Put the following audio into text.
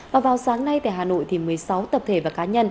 và vào sáng nay tại hà nội thì một mươi sáu tập thể và cá nhân